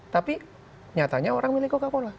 tapi nyatanya orang milik coca cola